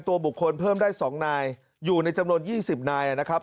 ตัวบุคคลเพิ่มได้๒นายอยู่ในจำนวน๒๐นายนะครับ